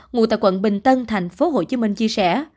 ngụ tại quận bình tân tp hcm chia sẻ